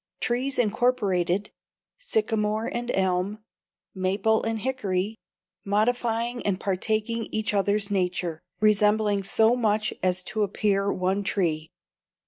Trees incorporated, sycamore and elm, maple and hickory, modifying and partaking each other's nature; resembling so much as to appear one tree.